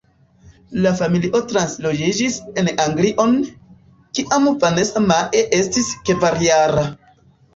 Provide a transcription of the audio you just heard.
La familio transloĝiĝis en Anglion, kiam Vanessa-Mae estis kvarjara.